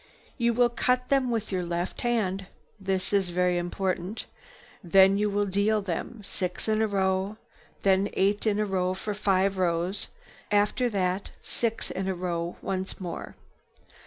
You will cut them with your left hand—this is very important, then you will deal them six in a row, then eight in a row for five rows, after that six in a row once more.